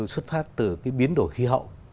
xuất phát từ cái biến đổi khí hậu